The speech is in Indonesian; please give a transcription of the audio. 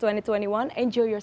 selamat tinggal di indonesia